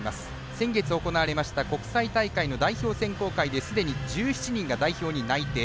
先月行われました国際選考会ですでに１７人が代表内定。